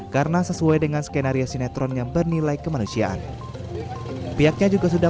karena sesuai dengan skenario sinetron yang bernilai kemanusiaan pihaknya juga sudah